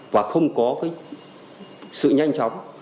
và không có cái sự nhanh chóng